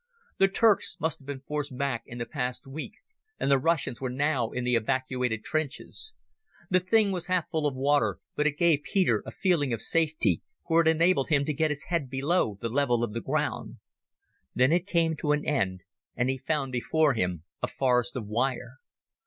The Turks must have been forced back in the past week, and the Russians were now in the evacuated trenches. The thing was half full of water, but it gave Peter a feeling of safety, for it enabled him to get his head below the level of the ground. Then it came to an end and he found before him a forest of wire.